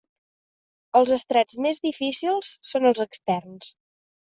Els estrats més difícils són els externs.